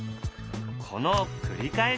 この繰り返し。